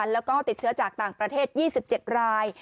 แล้วก็ติดเชื้อจากต่างประเทศ๒๗ราย